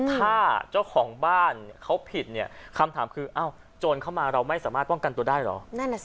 ถ้าเจ้าของบ้านเขาผิดเนี่ยคำถามคือโจรเข้ามาเราไม่สามารถป้องกันตัวได้หรอ